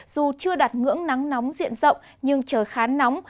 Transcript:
dù chưa đặt ngưỡng nắng nóng diện rộng nhưng trời khá nóng